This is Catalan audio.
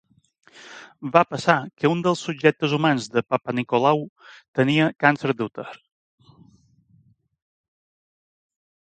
Va passar que un dels subjectes humans de Papanicolaou tenia càncer d'úter.